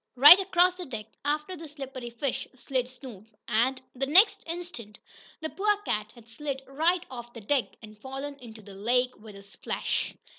Right across the deck, after the slippery fish slid Snoop, and, the next instant, the poor cat had slid right off the deck, and fallen into the lake with a splash!